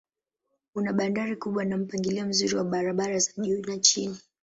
Una bandari kubwa na mpangilio mzuri wa barabara za juu na chini.